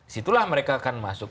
situlah mereka akan masuk